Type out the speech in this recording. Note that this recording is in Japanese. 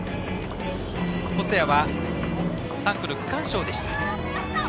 細谷は、３区の区間賞でした。